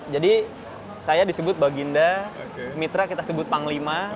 jadi saya disebut baginda mitra kita sebut panglima